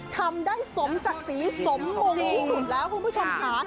ทำได้สมศักดิ์ศรีสมมงที่สุดแล้วคุณผู้ชมค่ะ